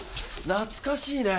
懐かしいね。